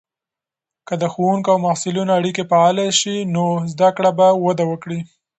که د ښوونکو او محصلینو اړیکې فعاله سي، نو زده کړه به وده وکړي.